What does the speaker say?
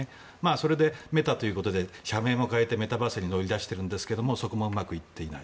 それでメタということで社名を変えてメタバースに乗り出しているんですがそこもうまくいっていない。